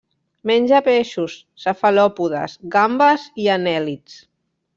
Menja peixos, cefalòpodes, gambes i anèl·lids.